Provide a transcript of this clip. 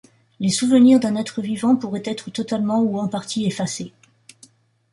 Les souvenirs d'un être vivant pourraient être totalement ou en partie effacés.